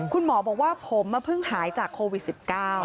คุณหมอบอกว่าผมเพิ่งหายจากโควิด๑๙